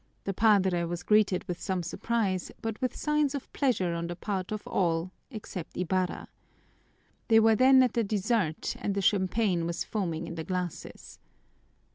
The padre was greeted with some surprise but with signs of pleasure on the part of all except Ibarra. They were then at the dessert and the champagne was foaming in the glasses.